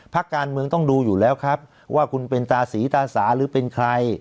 พักการเมืองต้องดูอยู่แล้วครับว่าคุณเป็นตาสีตาสาหรือเป็นใคร